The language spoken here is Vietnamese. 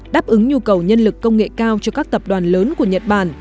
đáp ứng nhu cầu nhân lực công nghệ cao cho các tập đoàn lớn của nhật bản